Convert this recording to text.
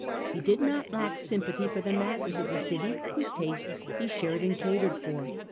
He did not lack sym pathy for the masses of the city, whose tastes he shared and catered for.